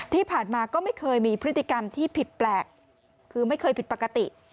ที่ผ่านมาก็ไม่เคยมีพฤติกรรมที่ผิดแปลกคือไม่เคยผิดปกติ